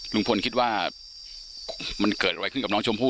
ลุงพลคิดว่ามันเกิดอะไรขึ้นกับน้องชมพู่